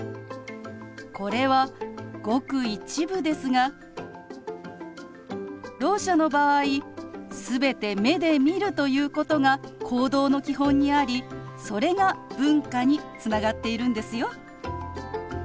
これはごく一部ですがろう者の場合全て目で見るということが行動の基本にありそれが文化につながっているんですよ。